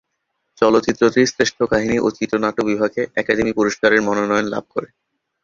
চলচ্চিত্রটি শ্রেষ্ঠ কাহিনি ও চিত্রনাট্য বিভাগে একাডেমি পুরস্কারের মনোনয়ন লাভ করে।